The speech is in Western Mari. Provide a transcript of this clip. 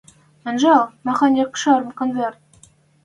Анжал, махань якшар конверт!»